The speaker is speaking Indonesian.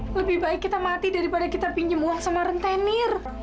lebih baik kita mati daripada kita pinjam uang sama rentenir